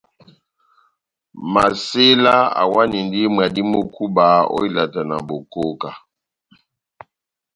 Masela awanindi mwadi mú kúba ó ilata na bokóká.